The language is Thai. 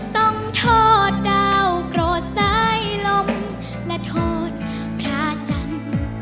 ต้องโทษดาวโกรธสายลมและโทษพระจันทร์